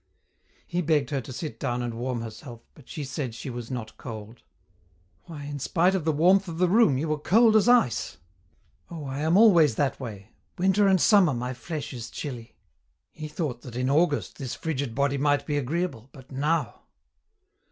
He begged her to sit down and warm herself, but she said she was not cold. "Why, in spite of the warmth of the room you were cold as ice!" "Oh, I am always that way. Winter and summer my flesh is chilly." He thought that in August this frigid body might be agreeable, but now!